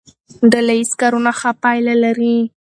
ډله ییز کارونه ښه پایله لري.